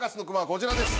こちらです。